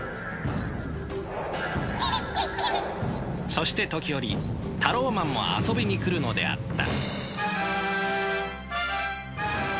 そして時折タローマンも遊びに来るのであった。